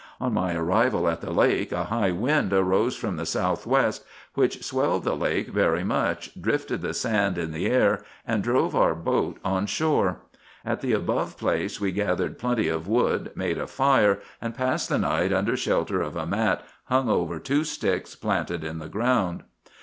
On my arrival at the lake a high wind, arose from the south west, which swelled the lake very much, drifted the sand in the air, and drove our boat on shore. At the above place we gathered plenty of wood, made a fire, and passed the night under shelter of a mat hung over two sticks planted in the ground.